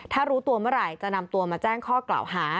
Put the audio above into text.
ถ้ารู้ตัวเมื่อไหร่จะนำตัวมาแจ้งข้อกล่าวหา